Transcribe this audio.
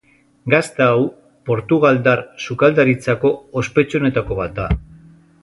Gazta hau, portugaldar sukaldaritzako ospetsuenetako bat da.